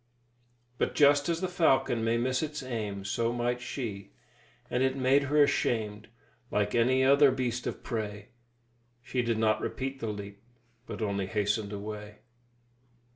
But just as the falcon may miss its aim, so might she, and it made her ashamed, like any other beast of prey; she did not repeat the leap, but only hastened away.